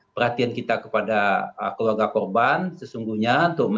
perhatian kita kepada keluarga korban sesungguhnya